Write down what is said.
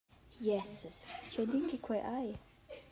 Jessas, tgeinin che quei ei!